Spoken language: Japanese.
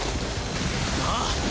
ああ！